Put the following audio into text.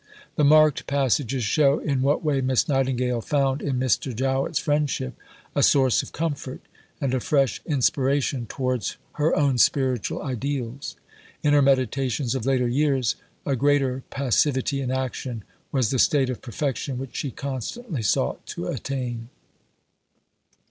The marked passages show in what way Miss Nightingale found in Mr. Jowett's friendship a source of comfort, and a fresh inspiration towards her own spiritual ideals. In her meditations of later years, a greater "passivity in action" was the state of perfection which she constantly sought to attain.